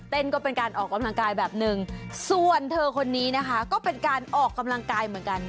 ก็เป็นการออกกำลังกายแบบหนึ่งส่วนเธอคนนี้นะคะก็เป็นการออกกำลังกายเหมือนกัน